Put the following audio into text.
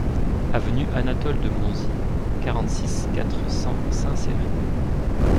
Avenue Anatole-de-Monzie, quarante-six, quatre cents Saint-Céré